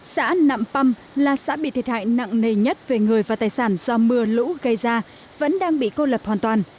xã nạm păm là xã bị thiệt hại nặng nề nhất về người và tài sản do mưa lũ gây ra vẫn đang bị cô lập hoàn toàn